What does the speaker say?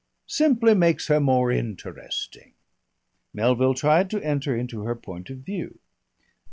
"Simply makes her more interesting." Melville tried to enter into her point of view.